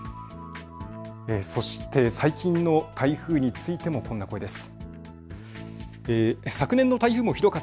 そして最近の台風についてもこんな声です。